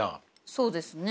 そうですね。